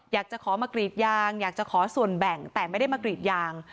อยากจะขอมากรีดยางอยากจะขอส่วนแบ่งแต่ไม่ได้มากรีดยาง